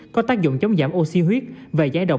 có tác dụng chống giảm oxy huyết và giải độc